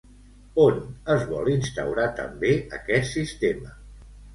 On es vol instaurar també aquest sistema?